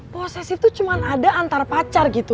proses itu cuma ada antar pacar gitu